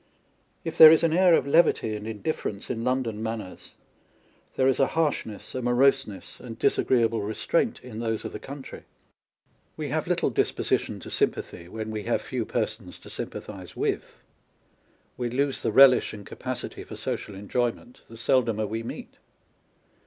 If there is an air of levity and indifference in London manners, there is a harshness, a moroseness, and disagreeable restraint in those of the country. We have little disposi tion to sympathy, when we have few persons to sympathise with : we lose the relish and capacity for social enjoyment, the seldomer we meet.